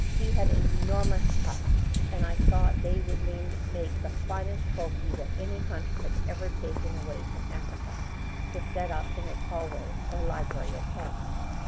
He had enormous tusks, and I thought they would make the finest trophy that any hunter had ever taken away from Africa to set up in his hallway or library at home.